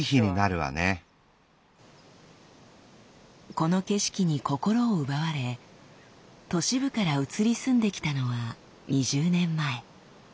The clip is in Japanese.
この景色に心を奪われ都市部から移り住んできたのは２０年前。